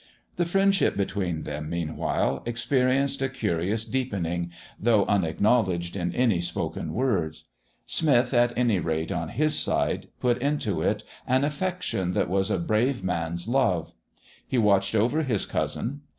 The friendship between them, meanwhile, experienced a curious deepening, though unacknowledged in any spoken words. Smith, at any rate, on his side, put into it an affection that was a brave man's love. He watched over his cousin.